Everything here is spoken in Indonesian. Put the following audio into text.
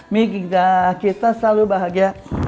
miki kita kita selalu bahagia